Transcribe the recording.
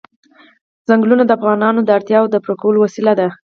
چنګلونه د افغانانو د اړتیاوو د پوره کولو وسیله ده.